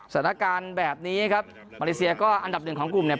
สถานการณ์แบบนี้ครับมาเลเซียก็อันดับหนึ่งของกลุ่มเนี่ย